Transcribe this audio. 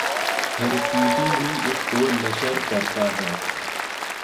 پھر P T V اس کو نشر کرتا ہے